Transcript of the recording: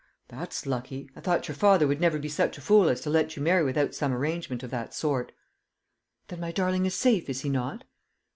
"That's lucky! I thought your father would never be such a fool as to let you marry without some arrangement of that sort." "Then my darling is safe, is he not?"